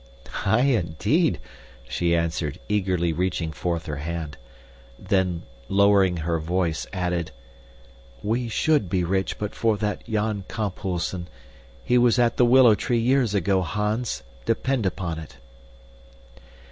"Aye, indeed," she answered, eagerly reaching forth her hand. Then, lowering her voice, added, "We SHOULD be rich but for that Jan Kamphuisen. He was at the willow tree years ago, Hans. Depend upon it!"